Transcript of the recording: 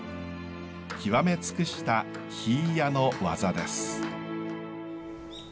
極め尽くした杼屋の技です。